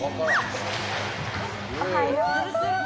おはよう。